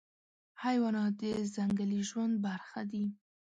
حیوانات د ځنګلي ژوند برخه دي.